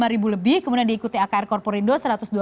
ribu lebih kemudian diikuti akr corporindo